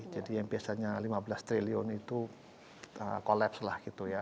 jadi yang biasanya lima belas triliun itu collapse lah gitu ya